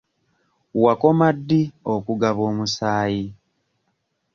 Wakoma ddi okugaba omusaayi?